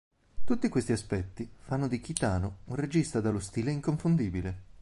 Tutti questi aspetti fanno di Kitano un regista dallo stile inconfondibile.